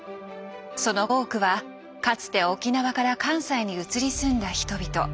その多くはかつて沖縄から関西に移り住んだ人々。